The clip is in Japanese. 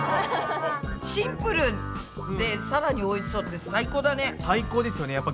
シンプルでさらにおいしそうって最高だね。